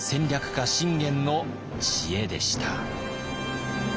家信玄の知恵でした。